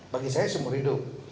bagi saya seumur hidup